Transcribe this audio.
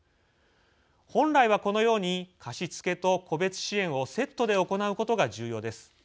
本来は、このように貸付と個別支援をセットで行うことが重要です。